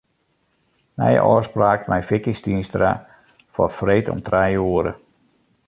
Nije ôfspraak mei Vicky Stienstra foar freed om trije oere.